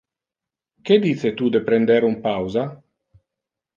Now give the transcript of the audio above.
Que dice tu de prender un pausa?